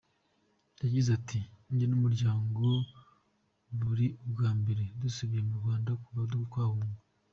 Yagize ati “Njye n’umuryango bwari ubwa mbere dusubiye mu Rwanda kuva twahunga.